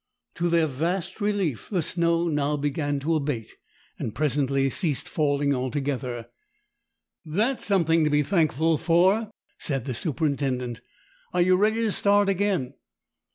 To their vast relief the snow now began to abate, and presently ceased falling altogether. "That's something to be thankful for," said the superintendent. "Are you ready to start again?"